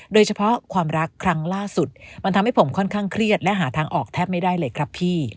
โดยเฉพาะความรักครั้งล่าสุดมันทำให้ผมค่อนข้างเครียดและหาทางออกแทบไม่ได้เลยครับพี่